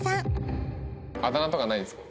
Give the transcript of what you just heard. あだ名とかないんですか？